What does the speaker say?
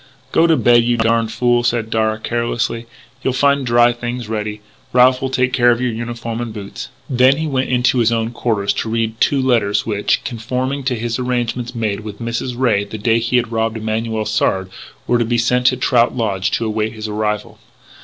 "Go to bed, you darned fool," said Darragh, carelessly. "You'll find dry things ready. Ralph will take care of your uniform and boots." Then he went into his own quarters to read two letters which, conforming to arrangements made with Mrs. Ray the day he had robbed Emanuel Sard, were to be sent to Trout Lodge to await his arrival.